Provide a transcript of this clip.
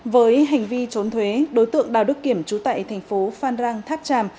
với hành vi trốn thuế đối tượng đào đức kiểm trú tại thành phố phan rang tháp tràm